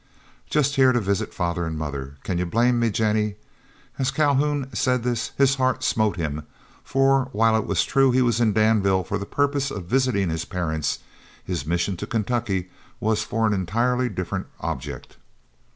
"Just here to visit father and mother. Can you blame me, Jennie?" As Calhoun said this his heart smote him, for while it was true he was in Danville for the purpose of visiting his parents, his mission to Kentucky was for an entirely different object.